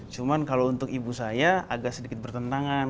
cuma kalau untuk ibu saya agak sedikit bertentangan